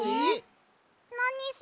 なにそれ？